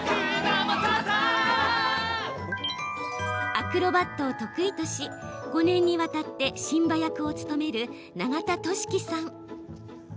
アクロバットを得意とし５年にわたってシンバ役を務める永田俊樹さん。